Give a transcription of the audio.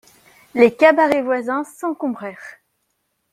Les cabarets voisins s'encombrèrent.